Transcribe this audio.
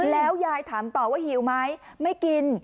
แล้วยายถามต่อว่าหิวไหมไม่กิน